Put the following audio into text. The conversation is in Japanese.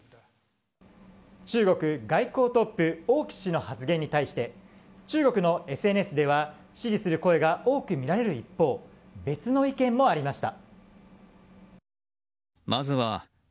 中国外交トップ王毅氏の発言に対して中国のＳＮＳでは支持する声が多くみられる一方別の意見もありました。